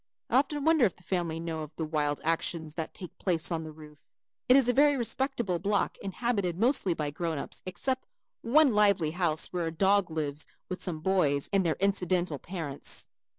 I often wonder if the family know of the wild actions that take place on the roof. It is a very respectable block inhabited mostly by grown ups except one lively house where a dog lives with some boys and their incidental parents.